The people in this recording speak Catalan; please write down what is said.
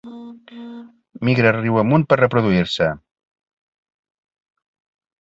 Migra riu amunt per reproduir-se.